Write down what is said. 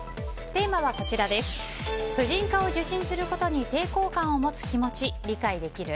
テーマは婦人科を受診することに抵抗感を持つ気持ち理解できる？